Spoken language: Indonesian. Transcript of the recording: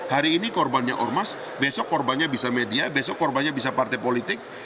hari ini korbannya ormas besok korbannya bisa media besok korbannya bisa partai politik